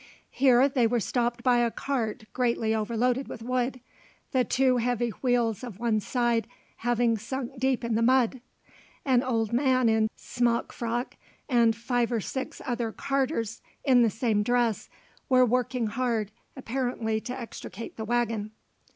Here they were stopped by a cart greatly overloaded with wood, the two heavy wheels of one side having sunk deep in the mud. An old man in smock frock, and five or six other carters in the same dress were working hard, apparently to extricate the waggon.